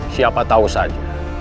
siapa tahu saja